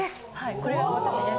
これは私です。